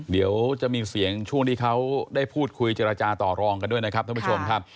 เดี๋ยวจะมีเสียงช่วงที่เขาได้พูดคุยเจรจาต่อรองกันด้วยนะครับท่านผู้ชมครับ